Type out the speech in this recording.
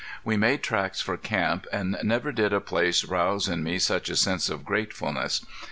We made tracks for camp, and never did a place rouse in me such a sense of gratefulness.